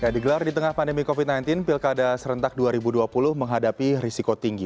digelar di tengah pandemi covid sembilan belas pilkada serentak dua ribu dua puluh menghadapi risiko tinggi